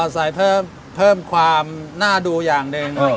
ใส่เพิ่มความน่าดูอย่างหนึ่ง